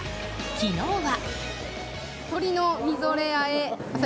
昨日は。